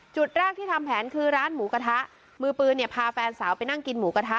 จุดแรกที่ทำแผนคือร้านหมูกระทะมือปืนเนี่ยพาแฟนสาวไปนั่งกินหมูกระทะ